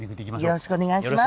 よろしくお願いします。